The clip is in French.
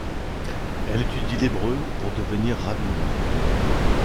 Elle étudie l'hébreu pour devenir rabbine.